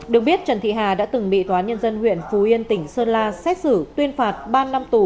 được biết trần thị hà đã từng bị tòa nhân dân huyện phú yên tỉnh sơn la xét xử tuyên phạt ba năm tù